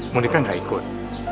munikah gak ikut